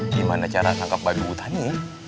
gimana cara nangkep babi hutan ya